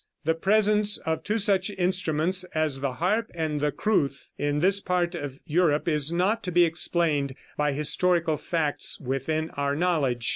The presence of two such instruments as the harp and the crwth in this part of Europe is not to be explained by historical facts within our knowledge.